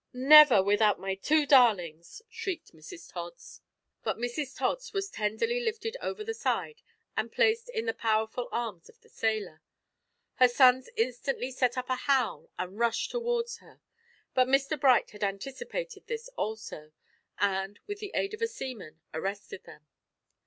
never! without my two darlings," shrieked Mrs Tods. But Mrs Tods was tenderly lifted over the side and placed in the powerful arms of the sailor. Her sons instantly set up a howl and rushed towards her. But Mr Bright had anticipated this also, and, with the aid of a seaman, arrested them.